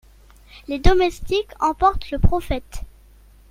Les domestiques emportent Le Prophète.